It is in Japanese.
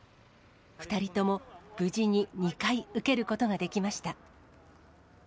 ２人とも、無事に２回受けることができました。